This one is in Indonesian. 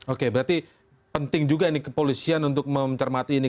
oke berarti penting juga ini kepolisian untuk mencermati ini